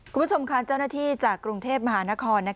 คุณผู้ชมค่ะเจ้าหน้าที่จากกรุงเทพมหานคร